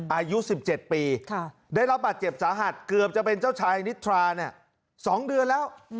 อายุ๑๗ปีได้รับบาดเจ็บสาหัสเกือบจะเป็นเจ้าชายนิทรา๒เดือนแล้ว